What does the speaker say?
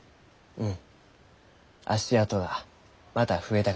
うん。